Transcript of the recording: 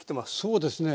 そうですね。